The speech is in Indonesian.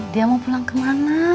dia mau pulang kemana